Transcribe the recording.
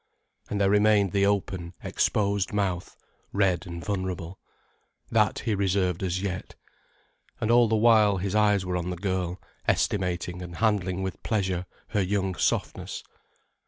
And there remained the open, exposed mouth, red and vulnerable. That he reserved as yet. And all the while his eyes were on the girl, estimating and handling with pleasure her young softness.